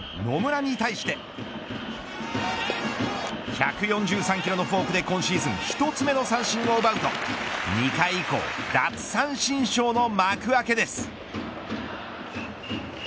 １４３キロのフォークで今シーズン１つ目の三振を奪うと２回以降奪三振ショーの幕開けです。